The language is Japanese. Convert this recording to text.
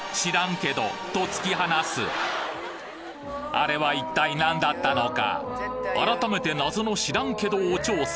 あれは一体なんだったのか？